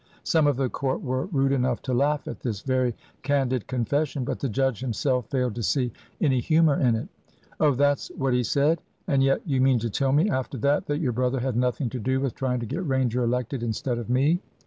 Some of the court were rude enough to laugh at this very candid confession; but the judge himself failed to see any humour in it. "Oh, that's what he said? And yet you mean to tell me, after that, that your brother had nothing to do with trying to get Ranger elected instead of me?"